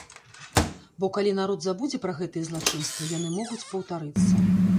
Бо калі народ забудзе пра гэтыя злачынствы, яны могуць паўтарыцца.